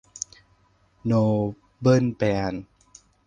โนเบิลแบน